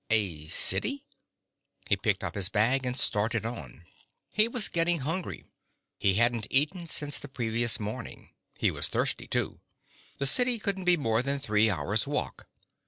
A city? He picked up his bag and started on. He was getting hungry. He hadn't eaten since the previous morning. He was thirsty too. The city couldn't be more than three hours' walk.